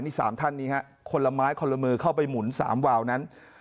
นี่๓ท่านนี้ฮะคนละไม้คนละมือเข้าไปหมุน๓วาวนั้น